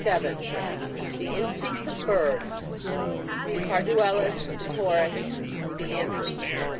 — THE INSTINCTS OF BIRDS — THE CARDTJELIS, THE TAURUS, THE ANTHUS.